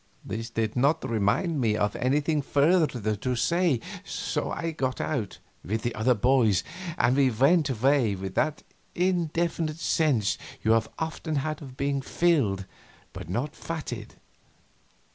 This did not remind me of anything further to say, so I got out, with the other boys, and we went away with that indefinite sense you have often had of being filled but not fatted.